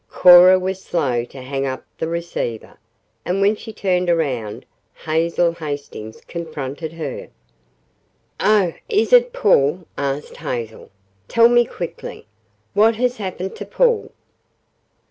Cora was slow to hang up the receiver. And when she turned around Hazel Hastings confronted her. "Oh, is it Paul?" asked Hazel. "Tell me quickly. What has happened to Paul?"